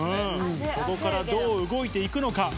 ここからどう動いていくのか。